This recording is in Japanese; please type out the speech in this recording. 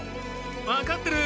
分かってる。